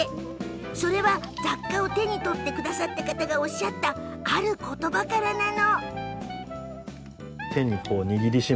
それは、雑貨を手に取ってくださった方がおっしゃったあることばからなの。